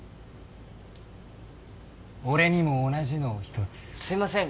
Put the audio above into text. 俺にも同じのを１つすいません